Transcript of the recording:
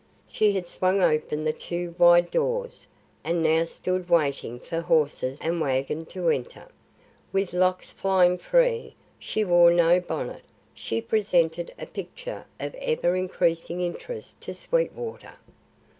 She had swung open the two wide doors, and now stood waiting for horse and wagon to enter. With locks flying free she wore no bonnet she presented a picture of ever increasing interest to Sweetwater.